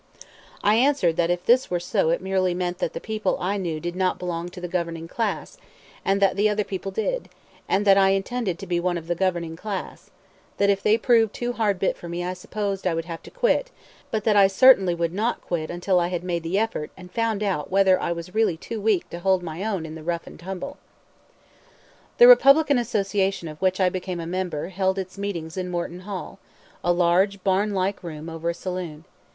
I answered that if this were so it merely meant that the people I knew did not belong to the governing class, and that the other people did and that I intended to be one of the governing class; that if they proved too hard bit for me I supposed I would have to quit, but that I certainly would not quit until I had made the effort and found out whether I really was too weak to hold my own in the rough and tumble. The Republican Association of which I became a member held its meetings in Morton Hall, a large, barn like room over a saloon.